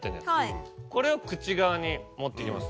これを口側に持っていきます。